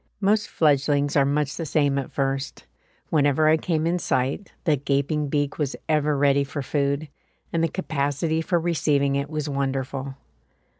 Most fledglings are much the same at first; whenever I came in sight the gaping beak was ever ready for food, and the capacity for receiving it was wonderful.